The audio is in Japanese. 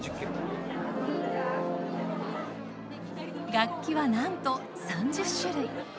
楽器はなんと３０種類。